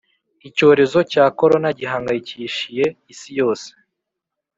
Icyorezo cya corona gihangayikishie isi yose